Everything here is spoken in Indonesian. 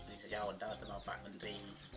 ini saja kontak sama pak menteri